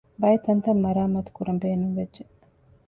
ބައެއް ތަންތަން މަރާމާތުކުރަން ބޭނުންވެއްޖެ